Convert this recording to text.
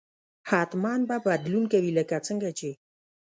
حتما به بدلون کوي لکه څنګه چې